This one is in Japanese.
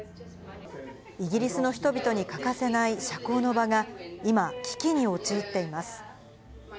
イギリスの人々に欠かせない社交の場が今、危機に陥っています。